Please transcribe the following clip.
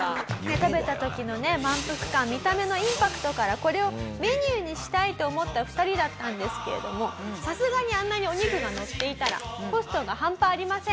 食べた時のね満腹感見た目のインパクトからこれをメニューにしたいと思った２人だったんですけれどもさすがにあんなにお肉がのっていたらコストが半端ありません。